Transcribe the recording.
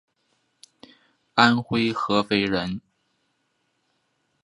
安徽合肥人。